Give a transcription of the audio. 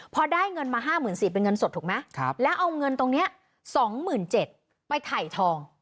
พอได้เงินมา๕๔๐๐เป็นเงินสดถูกไหมแล้วเอาเงินตรงนี้๒๗๐๐ไปถ่ายทอง